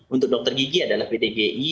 untuk dokter gigi adalah ptgi